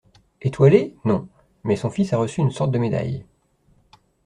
Étoilé? Non. Mais son fils a reçu une sorte de médaille…